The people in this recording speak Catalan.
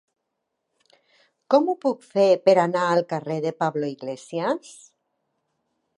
Com ho puc fer per anar al carrer de Pablo Iglesias?